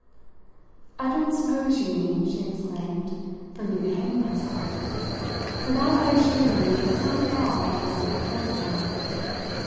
'" "I don't suppose you mean," she exclaimed, "for me to hang myself! for that, I assure you, is not at all what I'm prepared for."